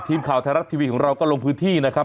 ทีมข่าวไทยรัฐทีวีของเราก็ลงพื้นที่นะครับ